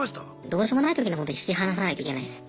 どうしようもない時にはホント引き離さないといけないです。